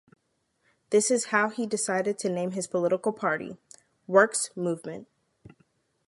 This is how he decided to name his political party: Works Movement.